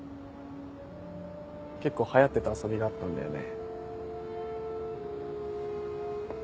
結構流行ってた遊びがあったんだよね。